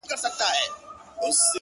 او خپل سر يې د لينگو پر آمسا کښېښود ـ